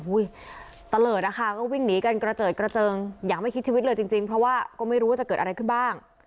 ตะเลิศนะคะก็วิ่งหนีกันกระเจิดกระเจิงอย่างไม่คิดชีวิตเลยจริงจริงเพราะว่าก็ไม่รู้ว่าจะเกิดอะไรขึ้นบ้าง